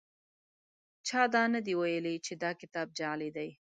چا دا نه دي ویلي چې دا کتاب جعلي دی.